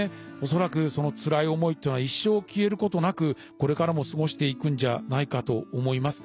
恐らくつらい思いっていうのは一生消えることなくこれからも過ごしていくんじゃないかと思います。